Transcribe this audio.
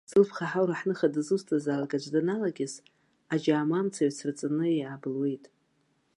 Зылԥха ҳаура ҳныха дызусҭазаалак аӡә даналакьыс, аџьаама амца ҩацраҵаны иаабылуеит!